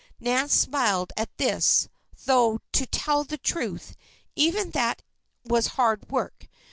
Nan smiled at this; though to tell the truth, even that was hard work.